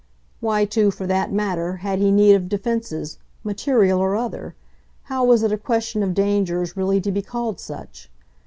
Why too, for that matter, had he need of defences, material or other? how was it a question of dangers really to be called such?